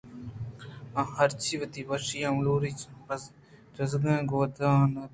آ ہرچی ءَ وتی وشی ءُملوری ءِ جزبگاں گوں توا ر کنت